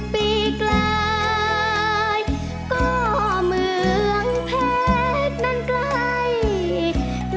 ปีกลายก็เมืองเพชรนั้นใกล้